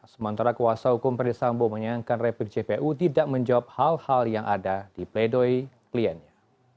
sementara kuasa hukum ferdisambo menyayangkan replik jpu tidak menjawab hal hal yang ada di pledoi kliennya